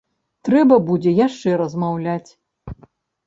Трэба будзе яшчэ размаўляць.